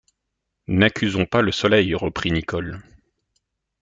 N’accusons pas le Soleil, reprit Nicholl.